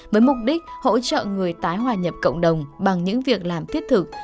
với mục đích hỗ trợ người tái hòa nhập cộng đồng bằng những việc làm thiết thực